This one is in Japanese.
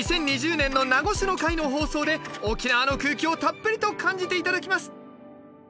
２０２０年の名護市の回の放送で沖縄の空気をたっぷりと感じて頂きます。